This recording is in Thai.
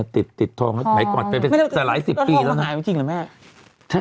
ตอนที่มาหายเป็นจริงเหรอแม่